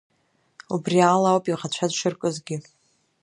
Убри ала ауп иаӷацәа дшыркызгьы.